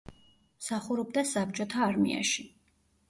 მსახურობდა საბჭოთა არმიაში.